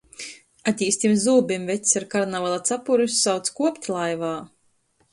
Atīztim zūbim vecs ar karnavala capuri sauc kuopt laivā.